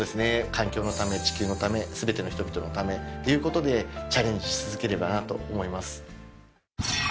環境のため地球のため全ての人々のためっていうことでチャレンジし続ければなと思います。